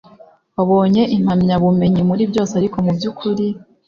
wabonye impamyabumenyi muri byose ariko mubyukuri